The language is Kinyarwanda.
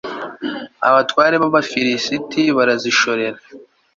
abatware b'abafilisiti barazishorera